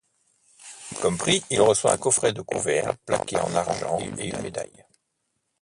Comme prix, il reçoit un coffret de couverts plaqués en argent et une médaille.